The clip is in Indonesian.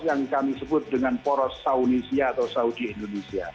yang kami sebut dengan poros saudi indonesia